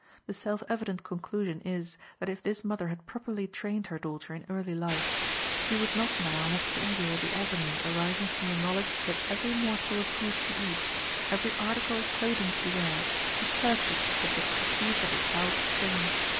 The self evident conclusion is, that if this mother had properly trained her daughter in early life, she would not now have to endure the agony arising from the knowledge that every morsel of food she eats, every article of clothing she wears, is purchased with the proceeds of her child's shame.